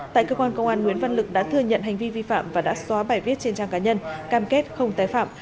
tại cơ quan công an nguyễn văn lực đã thừa nhận hành vi vi phạm và đã xóa bài viết trên trang cá nhân cam kết không tái phạm